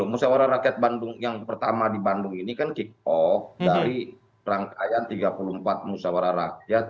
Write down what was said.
musyawarah rakyat bandung yang pertama di bandung ini kan kick off dari rangkaian tiga puluh empat musawarah rakyat